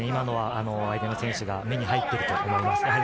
相手の選手が目に入っていたと思います。